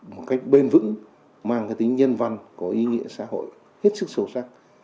một cách bền vững mang cái tính nhân văn có ý nghĩa xã hội hết sức sâu sắc